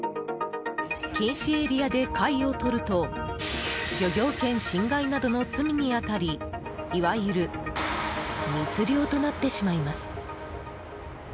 禁止エリアで貝をとると漁業権侵害などの罪に当たりいわゆる密漁となってしまいます。